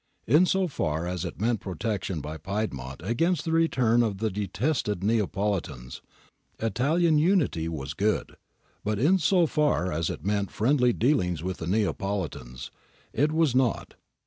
In so far as it meant protection by Piedmont against the return of the detested Neapoli tans, Italian Unity was good ; but in so far as it meant friendly dealings with the Neapolitans, it was nought.